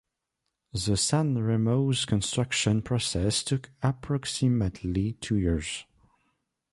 The San Remo's construction process took approximately two years.